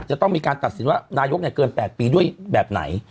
ก็มีการตัดสินว่านายกเนี่ยเกิน๘ปีด้วยแบบไหน